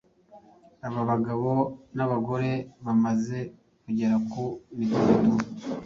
Aba bagabo n’abagore bamaze kugera ku midugudu